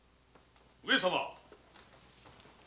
上様。